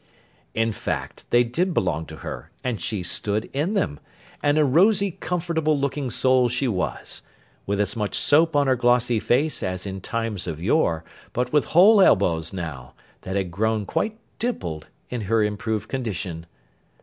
In fact they did belong to her, and she stood in them, and a rosy comfortable looking soul she was: with as much soap on her glossy face as in times of yore, but with whole elbows now, that had grown quite dimpled in her improved condition.